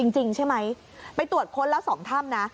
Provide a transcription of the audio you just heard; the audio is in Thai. จริงใช่ไหมไปตรวจค้นแล้ว๒ถ้ำนะ